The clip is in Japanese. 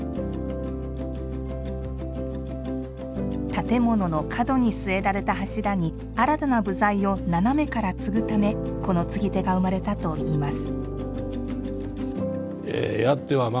建物の角に据えられた柱に新たな部材を斜めから継ぐためこの継手が生まれたといいます。